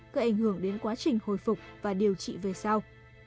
gây ảnh hưởng đến quá trình hồi phục và điều trị về sau